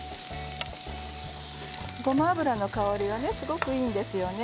ごま油の香りがすごくいいんですよね。